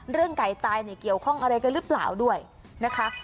ไก่ตายเนี่ยเกี่ยวข้องอะไรกันหรือเปล่าด้วยนะคะ